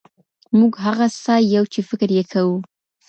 موږ هغه څه یو چي فکر یې کوو.